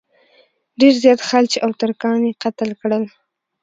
ډېر زیات خلج او ترکان یې قتل کړل.